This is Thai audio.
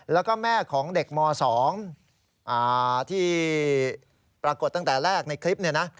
แล้วก็แม่ของเด็กหมอ๒ที่ปรากฏตั้งแต่แรกในคลิป